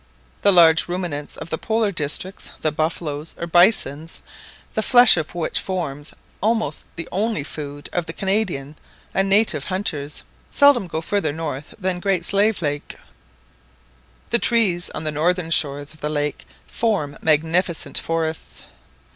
The large ruminants of the polar districts—the buffaloes or bisons, the flesh of which forms almost the only food of the Canadian and native hunters—seldom go further north than the Great Slave Lake. The trees on the northern shores of the lake form magnificent forests.